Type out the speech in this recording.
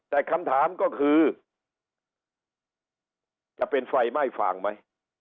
แต่คำถามก็คือจะเป็นไฟไหม้ฟางไหม